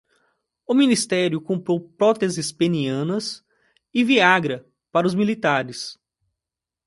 O ministério comprou próteses penianas e Viagra para os militares